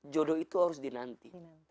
jodoh itu harus dinanti